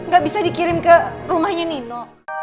gak bisa dikirim ke rumahnya nino